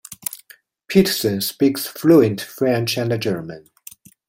Paterson speaks fluent French and German.